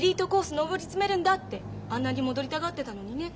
上り詰めるんだってあんなに戻りたがってたのにね。